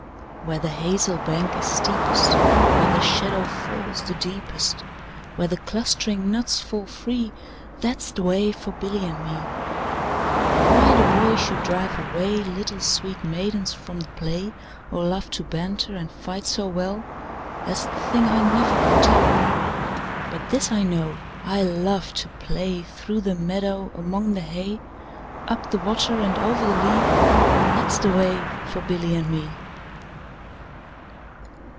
Where the hazel bank is steepest, Where the shadow falls the deepest, Where the clustering nuts fall free, 15 That 's the way for Billy and me. Why the boys should drive away Little sweet maidens from the play, Or love to banter and fight so well, That 's the thing I never could tell. 20 But this I know, I love to play Through the meadow, among the hay; Up the water and over the lea, That 's the way for Billy and me.